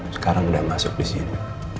sekarang udah masuk di sini